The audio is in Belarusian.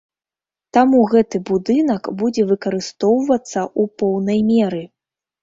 Таму гэты будынак будзе выкарыстоўвацца ў поўнай меры.